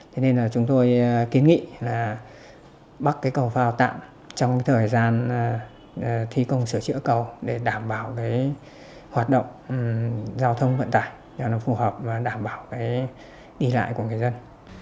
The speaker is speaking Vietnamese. thế nên là chúng tôi kiến nghị là bắc cái cầu phao tạm trong thời gian thi công sửa chữa cầu để đảm bảo cái hoạt động giao thông vận tải cho nó phù hợp và đảm bảo cái đi lại của người dân